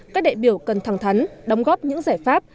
các đại biểu cần thẳng thắn đóng góp những giải pháp